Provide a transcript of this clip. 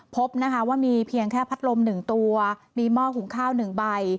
พบว่ามีเพียงแค่พัดลมหนึ่งตัวมีหม้อขุงข้าวหนึ่งใบ